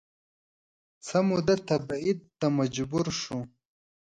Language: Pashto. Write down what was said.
څه موده تبعید ته مجبور شو